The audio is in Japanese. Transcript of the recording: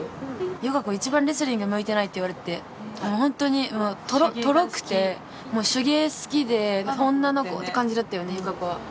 友香子、一番レスリングに向いてないって言われて、本当にとろくて、もう手芸好きで、女の子って感じだったよね、友香子は。